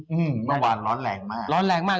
เมื่อวานร้อนแรงมาก